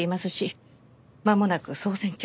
まもなく総選挙。